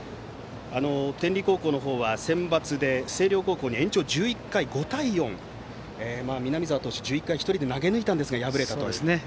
天理高校の方はセンバツで星稜高校に延長１１回５対４、南澤投手１１回１人で投げ抜きましたが敗れました。